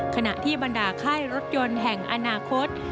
ขณะที่บรรดาค่ายรถยนต์แห่งอนาคต